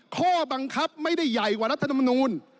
ข้อบังคับไม่ได้ใหญ่กว่ารัฐธรรมนูล